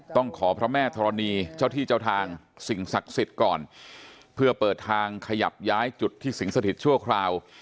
ต้องขอพระแม่ธรณีเจ้าที่เจ้าทางสิ่งศักดิ์สิทธิ์ก่อนเพื่อเปิดทางขยับย้ายจุดที่สิงสถิตชั่วคราว